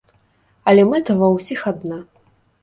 Але мэта ва ўсіх адна.